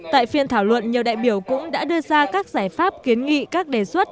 tại phiên thảo luận nhiều đại biểu cũng đã đưa ra các giải pháp kiến nghị các đề xuất